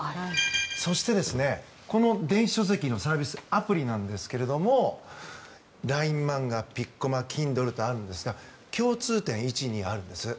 そして、この電子書籍のサービスアプリなんですがＬＩＮＥマンガ、ピッコマＫｉｎｄｌｅとあるんですが共通点１、２、あるんです。